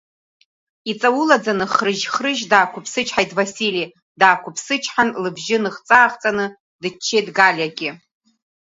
Иҵаулаӡаны, хрыжь-хрыжь даақәыԥсычҳаит Васили, даақәыԥсычҳан, лыбжьы ныхҵа-аахҵаны дыччеит Галиагьы.